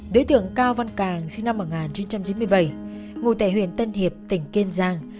đối tượng cao văn càng sinh năm một nghìn chín trăm chín mươi bảy ngụ tệ huyền tân hiệp tỉnh kiên giang